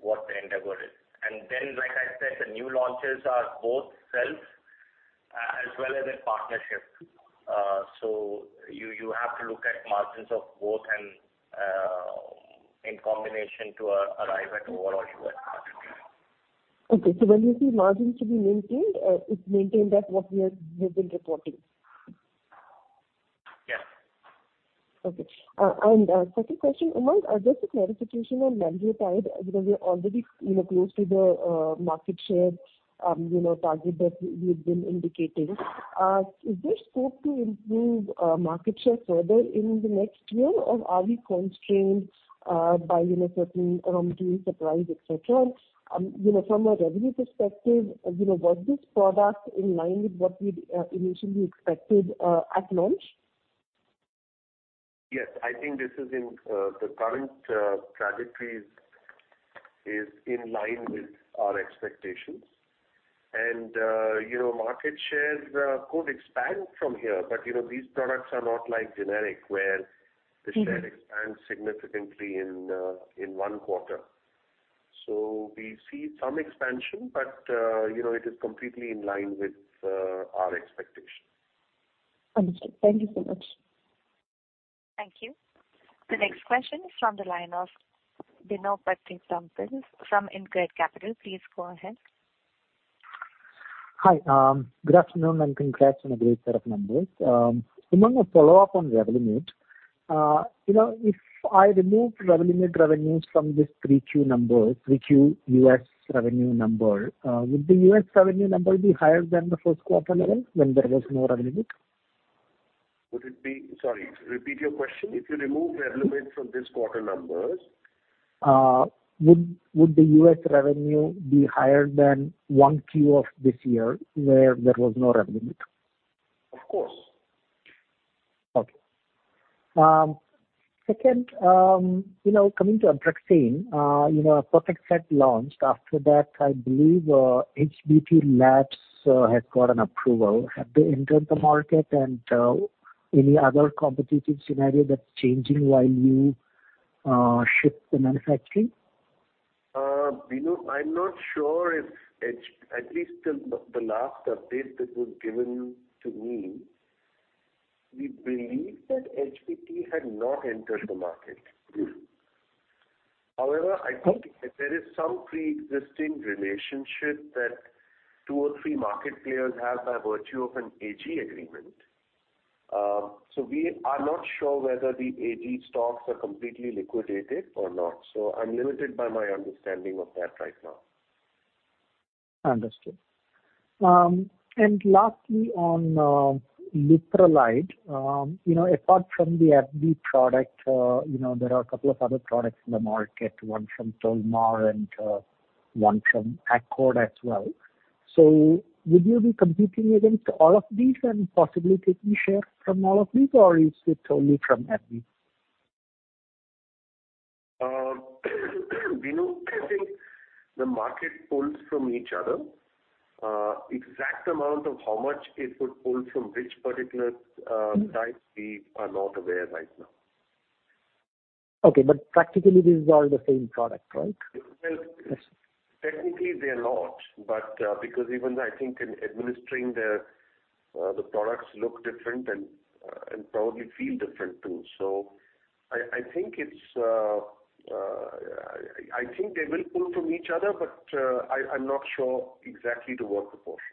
what the endeavor is. Then, like I said, the new launches are both self as well as in partnership. You have to look at margins of both and in combination to arrive at overall U.S. margin. Okay. When you say margins to be maintained, it's maintained at what we have been reporting? Yeah. Okay. second question, Umang, just a clarification on Lanreotide, because we're already, you know, close to the market share, you know, target that we've been indicating. Is there scope to improve market share further in the next year? Are we constrained by, you know, certain doing supplies, et cetera? From a revenue perspective, you know, was this product in line with what we'd initially expected at launch? Yes. I think this is in the current trajectory is in line with our expectations. You know, market shares could expand from here. You know, these products are not like generic. Mm-hmm. -share expands significantly in 1 quarter. We see some expansion, but, you know, it is completely in line with, our expectations. Understood. Thank you so much. Thank you. The next question is from the line of Bino Pathiparampil from InCred Capital. Please go ahead. Hi. good afternoon and congrats on a great set of numbers. Umang, a follow-up on Revlimid. you know, if I remove Revlimid revenues from this 3 Q numbers, 3 Q US revenue number, would the US revenue number be higher than the 1st quarter level when there was no Revlimid? Sorry, repeat your question. If you remove Revlimid from this quarter numbers... would the U.S. revenue be higher than one Q of this year where there was no Revlimid? Of course. Second, you know, coming to Abraxane, you know, Protexad launched. After that, I believe, HPT Labs has got an approval. Have they entered the market and any other competitive scenario that's changing while you shift the manufacturing? you know, I'm not sure if at least till the last update that was given to me, we believe that HPT had not entered the market. Mm-hmm. However, I think there is some pre-existing relationship that two or three market players have by virtue of an AG agreement. We are not sure whether the AG stocks are completely liquidated or not, so I'm limited by my understanding of that right now. Understood. And lastly on leuprolide, you know, apart from the AbbVie product, you know, there are a couple of other products in the market, one from Tolmar and one from Accord as well. Would you be competing against all of these and possibly taking share from all of these, or is it only from AbbVie? You know, I think the market pulls from each other. Exact amount of how much it would pull from which particular type, we are not aware right now. Okay, practically these are all the same product, right? technically they're not, but, because even I think in administering the products look different and probably feel different too. I think it's. I think they will pull from each other, but, I'm not sure exactly to what proportion.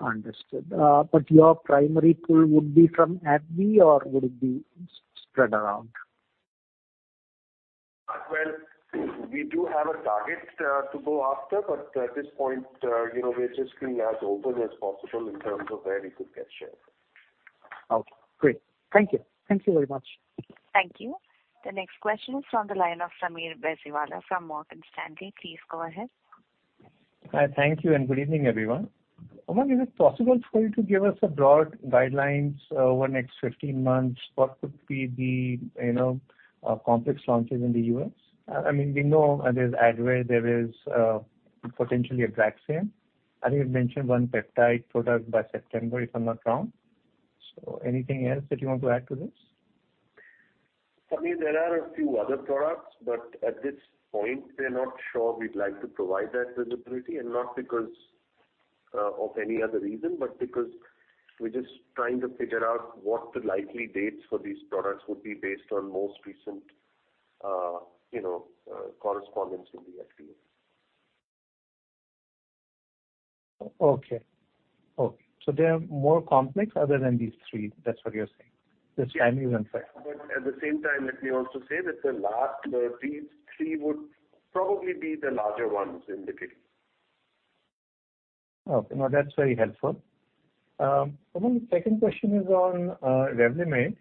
Understood. Your primary pull would be from AbbVie or would it be spread around? We do have a target to go after, but at this point, you know, we're just being as open as possible in terms of where we could get shares. Okay, great. Thank you. Thank you very much. Thank you. The next question is from the line of Sameer Baisiwala from Morgan Stanley. Please go ahead. Hi. Thank you, and good evening, everyone. Umang, is it possible for you to give us a broad guidelines over next 15 months, what could be the, you know, complex launches in the US? I mean, we know there's Advair, there is, potentially Abraxane. I think you've mentioned one peptide product by September, if I'm not wrong. Anything else that you want to add to this? Sameer, there are a few other products, but at this point we're not sure we'd like to provide that visibility and not because of any other reason, but because we're just trying to figure out what the likely dates for these products would be based on most recent, you know, correspondence with the FDA. Okay. Okay. There are more complex other than these three, that's what you're saying. The timing is unclear. At the same time, let me also say that the last, these 3 would probably be the larger ones in the game. Okay. No, that's very helpful. Umar, the second question is on Revlimid.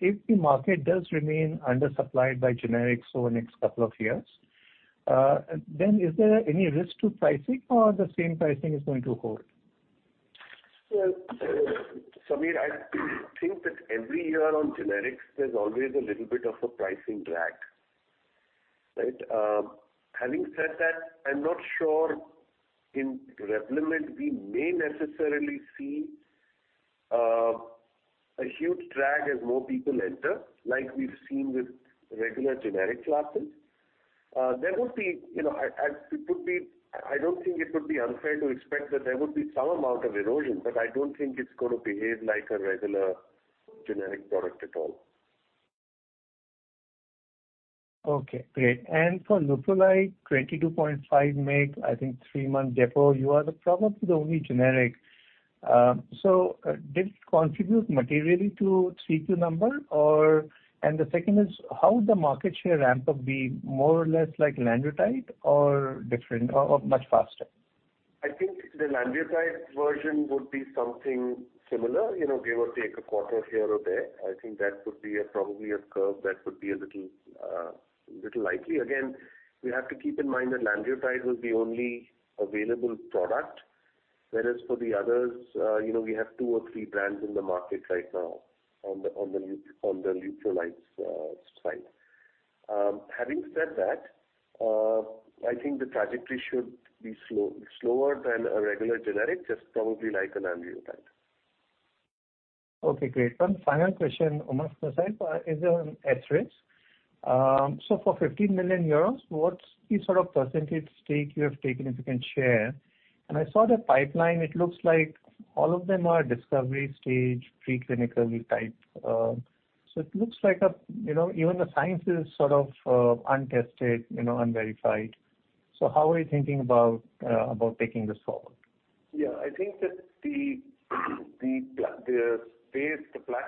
If the market does remain undersupplied by generics over the next couple of years, then is there any risk to pricing or the same pricing is going to hold? Well, Sameer, I think that every year on generics there's always a little bit of a pricing drag. Right? Having said that, I'm not sure in Revlimid we may necessarily see a huge drag as more people enter, like we've seen with regular generic classes. There would be, you know, I don't think it would be unfair to expect that there would be some amount of erosion. I don't think it's gonna behave like a regular generic product at all. Okay, great. For Lanreotide, 22.5 mg, I think three-month depo, you are the, probably the only generic. Did it contribute materially to Q2 number? The second is, how would the market share ramp up be, more or less like Lanreotide or different or much faster? I think the Lanreotide version would be something similar. You know, give or take a quarter here or there. I think that could be a, probably a curve that could be a little likely. Again, we have to keep in mind that Lanreotide was the only available product. Whereas for the others, you know, we have 2 or 3 brands in the market right now on the, on the Lanreotide's side. Having said that, I think the trajectory should be slow, slower than a regular generic, just probably like an Lanreotide. Okay, great. One final question, Umar, if I may. is on Ethris. For 50 million euros, what's the sort of percentage stake you have taken, if you can share? I saw the pipeline, it looks like all of them are discovery stage, pre-clinical type. it looks like a, you know, even the science is sort of, untested, you know, unverified. How are you thinking about taking this forward? Yeah. I think that the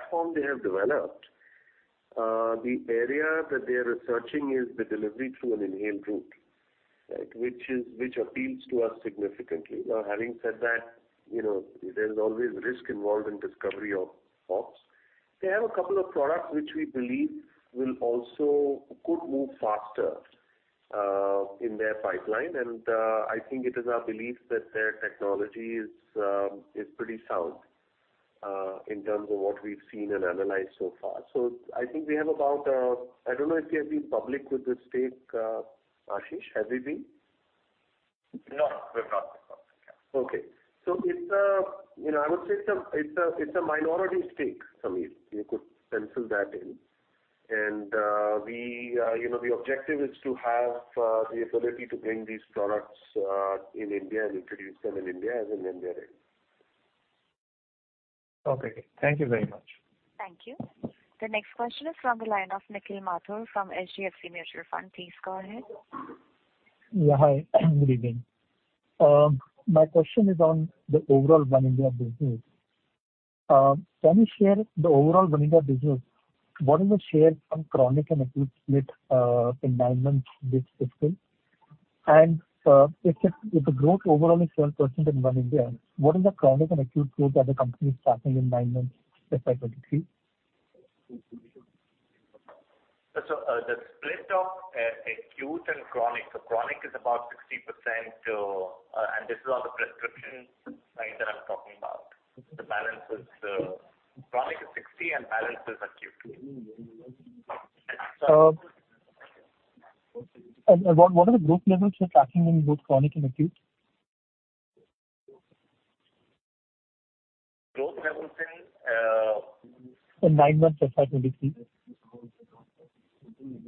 platform they have developed, the area that they're researching is the delivery through an inhaled route, right? Which appeals to us significantly. Now, having said that, you know, there's always risk involved in discovery of. They have a couple of products which we believe will also could move faster in their pipeline. I think it is our belief that their technology is pretty sound in terms of what we've seen and analyzed so far. I think we have about... I don't know if you have been public with this stake, Ashish. Have we been? No, we've not. Okay. it's, you know, I would say it's a minority stake, Sameer. You could pencil that in. we, you know, the objective is to have the ability to bring these products in India and introduce them in India as an Indian brand. Okay, thank you very much. Thank you. The next question is from the line of Nikhil Mathur from HDFC Mutual Fund. Please go ahead. Yeah, hi. Good evening. My question is on the overall One India business. Can you share the overall One India business? What is the share from chronic and acute split in nine months this fiscal? If the growth overall is 12% in One India, what is the chronic and acute growth that the company is tracking in nine months, FY23? The split of acute and chronic. Chronic is about 60%, and this is on the prescription side that I'm talking about. Chronic is 60% and balance is acute. What are the growth levels you're tracking in both chronic and acute? Growth levels in. In nine months of FY 23.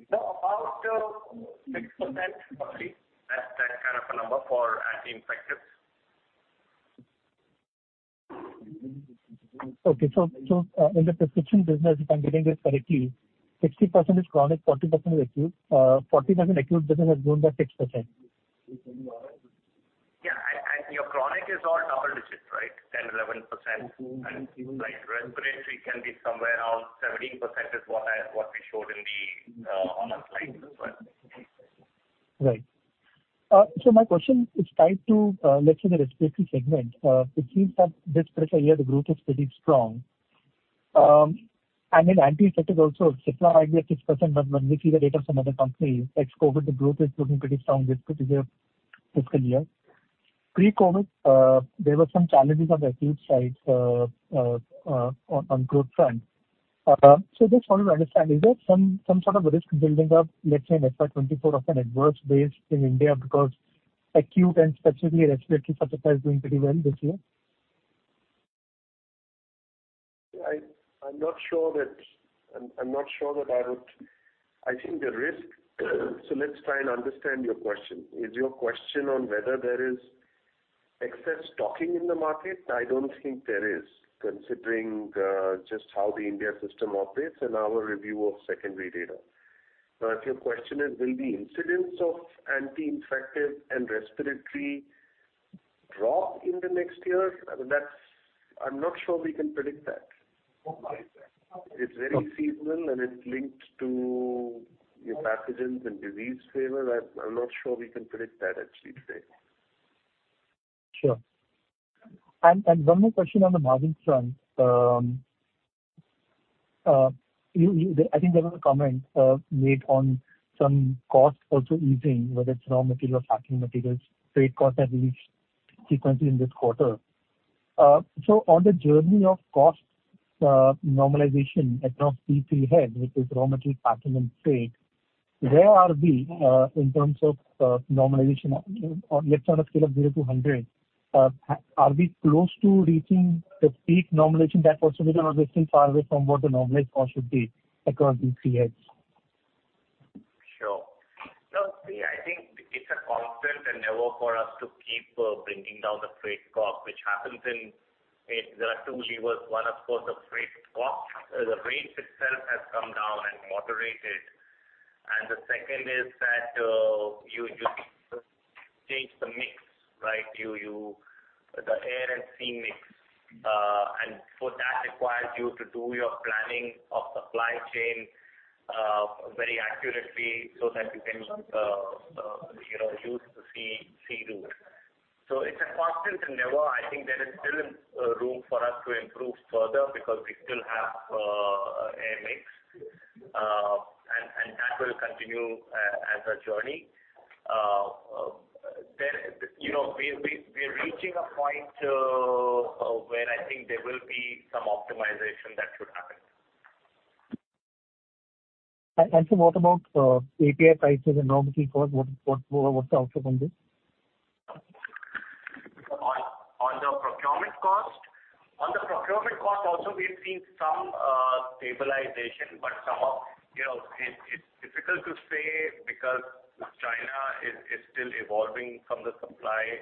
About 6% roughly. That's kind of a number for anti-infectives. Okay. In the prescription business, if I'm getting this correctly, 60% is chronic, 40% is acute. 40% acute business has grown by 6%. Yeah. Your chronic is all double digits, right? 10%, 11%. Mm-hmm. Like respiratory can be somewhere around 17% is what we showed on our slide as well. Right. My question is tied to, let's say the respiratory segment. It seems that this fiscal year the growth is pretty strong. In anti-infectives also, Cipla might be at 6%, when we see the data from other companies, ex-COVID, the growth is looking pretty strong this particular fiscal year. Pre-COVID, there were some challenges on the acute side, on growth front. Just wanted to understand, is there some sort of risk building up, let's say in FY24 of an adverse base in India because acute and specifically respiratory portfolios doing pretty well this year? I'm not sure that. I'm not sure that I would. Let's try and understand your question. Is your question on whether there is excess stocking in the market? I don't think there is, considering just how the India system operates and our review of secondary data. If your question is will the incidence of anti-infective and respiratory drop in the next year, I mean, that's. I'm not sure we can predict that. Okay. It's very seasonal, and it links to your pathogens and disease favor. I'm not sure we can predict that actually today. Sure. One more question on the margin front. I think there was a comment made on some costs also easing, whether it's raw material, packing materials, freight costs have eased frequently in this quarter. On the journey of cost normalization across these three heads, which is raw material, packing and freight, where are we in terms of normalization on, let's say on a scale of zero to 100, are we close to reaching the peak normalization that possibility or are we still far away from what the normalized cost should be across these three heads? Sure. No, see, I think it's a constant endeavor for us to keep bringing down the freight cost. There are two levers. One, of course, the freight cost. The rates itself has come down and moderated. The second is that you change the mix, right? The air and sea mix. For that requires you to do your planning of supply chain very accurately so that you can, you know, use the sea route. It's a constant endeavor. I think there is still room for us to improve further because we still have an air mix. And that will continue as a journey. You know, we are reaching a point where I think there will be some optimization that should happen. What about API prices and raw material cost? What's the outlook on this? On the procurement cost? On the procurement cost also we've seen some stabilization, but some of, you know, it's difficult to say because China is still evolving from the supply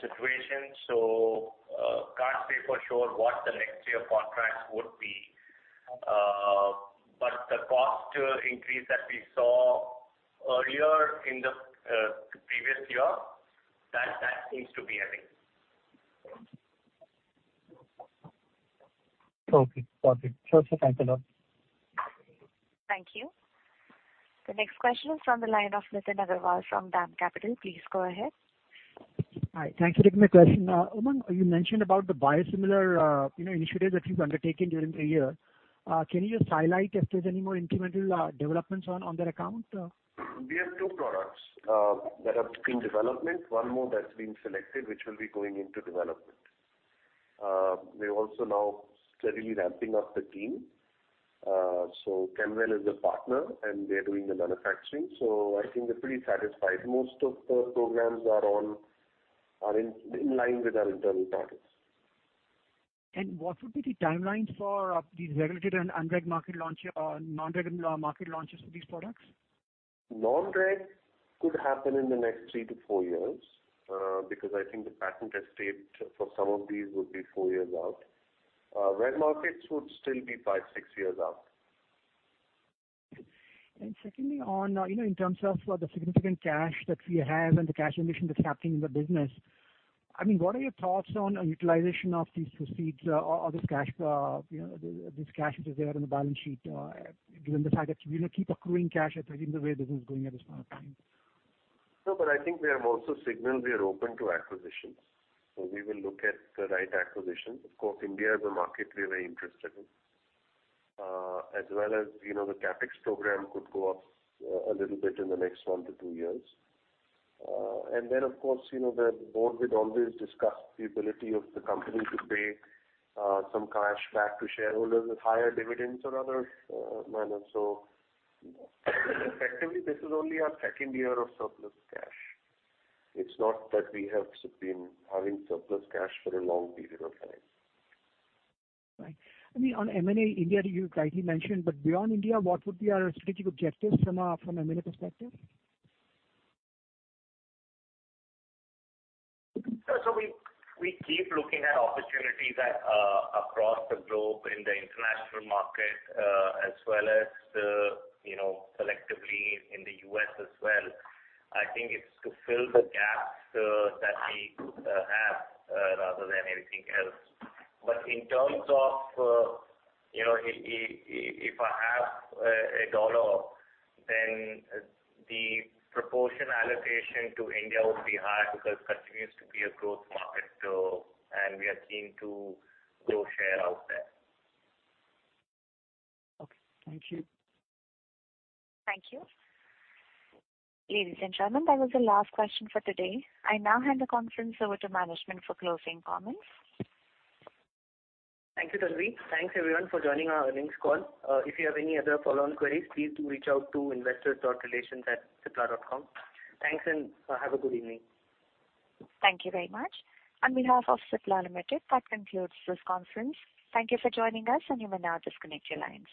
situation. Can't say for sure what the next year contracts would be. The cost increase that we saw earlier in the previous year seems to be ending. Okay. Got it. Sure, sure. Thanks a lot. Thank you. The next question is from the line of Nitin Agarwal from DAM Capital. Please go ahead. Hi. Thank you for taking my question. Umang, you mentioned about the biosimilar, you know, initiatives that you've undertaken during the year. Can you highlight if there's any more incremental developments on that account? We have two products that are in development. One more that's been selected, which will be going into development. We're also now steadily ramping up the team. Kemwell is a partner and they're doing the manufacturing, so I think they're pretty satisfied. Most of the programs are in line with our internal targets. What would be the timeline for these regulated and unreg market launch or non-reg market launches for these products? Non-reg could happen in the next 3-4 years, because I think the patent estate for some of these would be 4 years out. reg markets would still be 5-6 years out. Secondly, on, you know, in terms of, the significant cash that you have and the cash generation that's happening in the business, I mean, what are your thoughts on utilization of these proceeds or this cash, you know, this cash which is there on the balance sheet, given the fact that you're gonna keep accruing cash at the rate the way business is going at this point of time? I think we have also signaled we are open to acquisitions. We will look at the right acquisition. India is a market we're very interested in, as well as, you know, the CapEx program could go up a little bit in the next one to two years. The board would always discuss the ability of the company to pay some cash back to shareholders with higher dividends or other manner. Effectively, this is only our second year of surplus cash. It's not that we have been having surplus cash for a long period of time. Right. I mean, on M&A India, you rightly mentioned, but beyond India, what would be our strategic objectives from a, from an M&A perspective? We keep looking at opportunities at across the globe in the international market as well as, you know, selectively in the U.S. as well. I think it's to fill the gaps that we have rather than anything else. In terms of, you know, if I have a $, then the proportion allocation to India would be high because continues to be a growth market, and we are keen to grow share out there. Okay. Thank you. Thank you. Ladies and gentlemen, that was the last question for today. I now hand the conference over to management for closing comments. Thank you, Tanvi. Thanks, everyone for joining our earnings call. If you have any other follow-on queries, please do reach out to investor.relations@cipla.com. Thanks and have a good evening. Thank you very much. On behalf of Cipla Limited, that concludes this conference. Thank you for joining us, and you may now disconnect your lines.